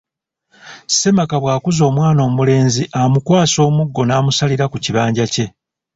Ssemaka bw’akuza omwana omulenzi amukwasa omuggo n’amusalira ku kibanja kye.